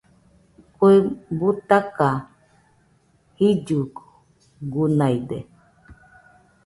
Kue butaka, jillugunaide.